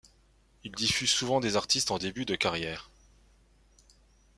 Il diffuse souvent des artistes en début de carrière.